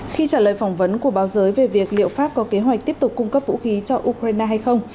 khi trả lời phỏng vấn của báo giới về việc liệu pháp có kế hoạch tiếp tục cung cấp vũ khí cho ukraine hay không